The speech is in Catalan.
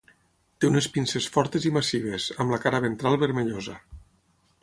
Té unes pinces fortes i massives, amb la cara ventral vermellosa.